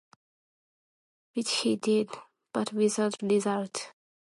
Which he did, but without result.